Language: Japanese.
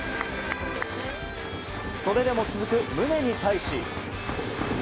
それでも続く棟に対し。